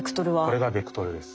これがベクトルです。